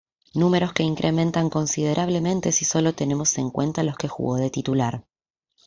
Números que incrementan considerablemente si sólo tenemos en cuenta los que jugó de titular.